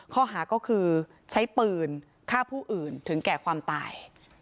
ข้อหาก็คือใช้ปืนฆ่าผู้อื่นถึงแก่ความตาย